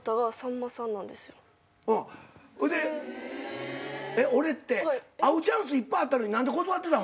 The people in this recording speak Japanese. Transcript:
ほいで俺って会うチャンスいっぱいあったのに何で断ってたの？